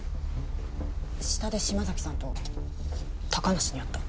下で島崎さんと高梨に会った。